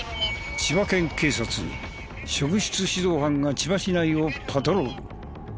千葉県警察職質指導班が千葉市内をパトロール。